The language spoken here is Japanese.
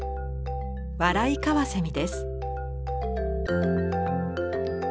ワライカワセミです。